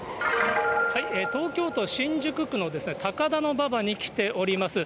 東京都新宿区の高田馬場に来ております。